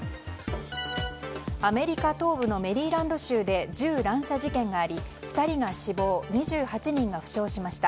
アメリカ東部のメリーランド州で銃乱射事件があり、２人が死亡２８人が負傷しました。